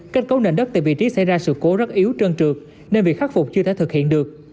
kết cấu nền đất tại vị trí xảy ra sự cố rất yếu trơn trượt nên việc khắc phục chưa thể thực hiện được